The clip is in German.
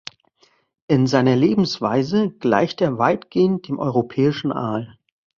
In seiner Lebensweise gleicht er weitgehend dem Europäischen Aal.